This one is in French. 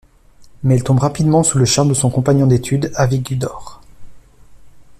Mais elle tombe rapidement sous le charme de son compagnon d'études, Avigdor.